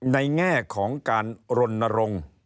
แง่ของการรณรงค์